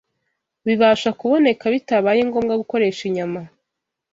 bibasha kuboneka bitabaye ngombwa gukoresha inyama.